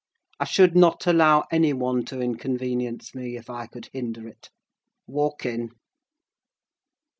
"I should not allow any one to inconvenience me, if I could hinder it—walk in!"